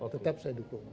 tetap saya dukung